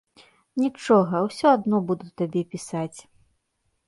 Нічога, усё адно буду табе пісаць.